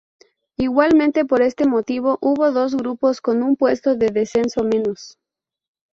Igualmente por este motivo hubo dos grupos con un puesto de descenso menos.